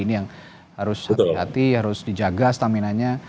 ini yang harus hati hati harus dijaga stamina nya